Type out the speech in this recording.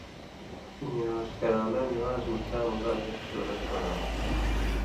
نِوان٘ز کران٘لو نِوان٘ز مہ شان٘مُدام ایک سُورت بان،